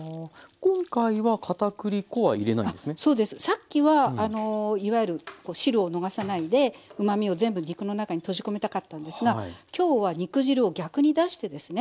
さっきはいわゆる汁を逃さないでうまみを全部肉の中に閉じ込めたかったんですが今日は肉汁を逆に出してですね